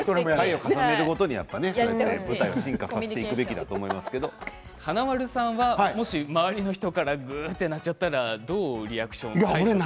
会を重ねるごとに舞台を進化させていくべきだと華丸さんは周りの人が鳴っちゃったらどういうリアクションを？